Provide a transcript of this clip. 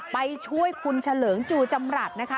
ไปช่วยคุณเฉลิงจูจำรัฐนะคะ